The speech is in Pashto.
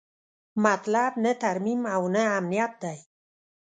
مطلب نه ترمیم او نه امنیت دی.